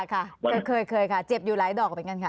ค่ะเคยเจ็บอยู่หลายดอกเป็นกันค่ะ